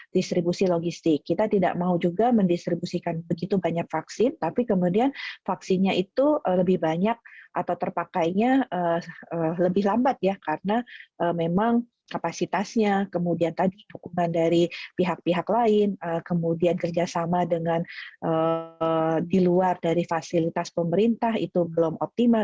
di luar dari fasilitas pemerintah itu belum optimal